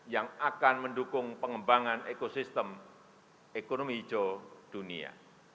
yang akan mendukung pengembangan ekosistem ekonomi hijau dunia